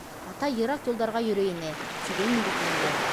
Атай йыраҡ юлдарға йөрөй ине, тигәйнем бит инде.